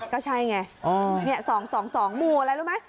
ก็ใช่ไง๒๒หมู่อะไรรู้ไหม